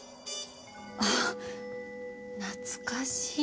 あ懐かしい。